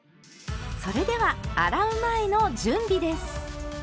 それでは洗う前の準備です。